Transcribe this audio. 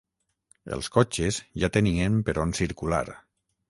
Els cotxes ja tenien per on circular.